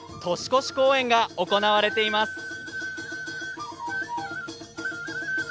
年越し公演が行われています。